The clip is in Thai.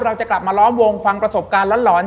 เราจะกลับมาล้อมวงฟังประสบการณ์หลอน